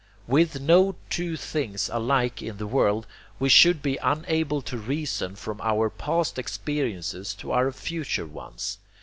With no two things alike in the world, we should be unable to reason from our past experiences to our future ones.